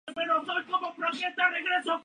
Recibe un gran número de aerolíneas chárter.